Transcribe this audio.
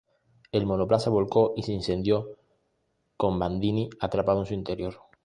El monoplaza volcó y se incendió con Bandini atrapado en su interior.